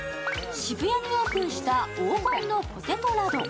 渋谷にオープンした黄金のポテトラド。